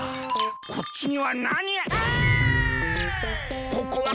こっちにはなにがああ！